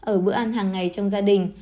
ở bữa ăn hàng ngày trong gia đình